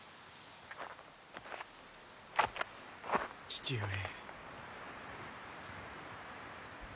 父上。